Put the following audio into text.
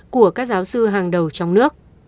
của các giáo sư hàng đầu trong nước